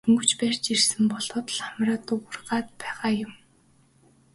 Дөнгөж барьж ирсэн болоод л хамраа дуугаргаад байгаа юм.